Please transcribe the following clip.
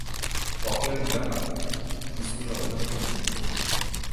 Auckland grammar স্কুলে অধ্যয়ন করেছেন তিনি।